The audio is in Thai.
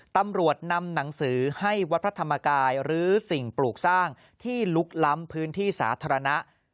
ตำรวจนำหนังสือให้วัดพระธรรมกายหรือสิ่งปลูกสร้างที่ลุกล้ำพื้นที่สาธารณะ